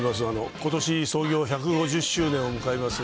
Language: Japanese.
ことし創業１５０周年を迎えます